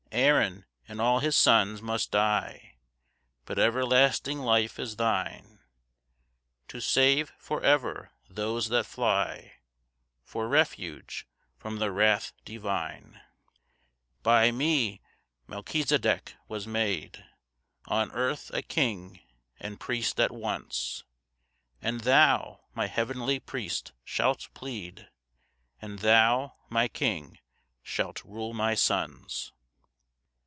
2 "Aaron and all his sons must die; "But everlasting life is thine, "To save for ever those that fly "For refuge from the wrath divine. 3 "By me Melchisedek was made "On earth a king and priest at once; "And thou, my heavenly priest, shalt plead, "And thou, my king, shalt rule my sons."